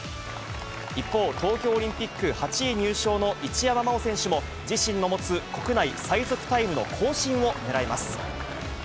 一方、東京オリンピック８位入賞の一山麻緒選手も、自身の持つ国内最速タイムの更新をねらいます。